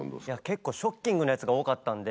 結構ショッキングなやつが多かったんで。